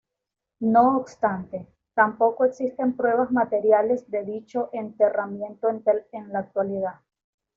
No obstante, tampoco existen pruebas materiales de dicho enterramiento en la actualidad.